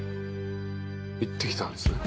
「行ってきたんですね？」